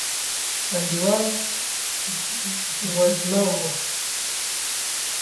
انډیوال وزمه و